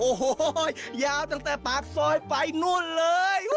โอ้โหยาวตั้งแต่ปากซอยไปนู่นเลย